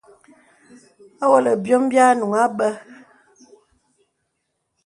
Awɔlə̀ bìom bì ànuŋ àbə̀.